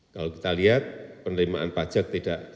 kalau kita lihat penerimaan pajak tidak